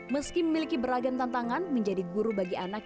meski memiliki beragam tantangan menjadi guru bagi anak